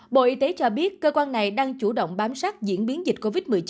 bộ y tế cho biết cơ quan này đang chủ động bám sát diễn biến dịch covid một mươi chín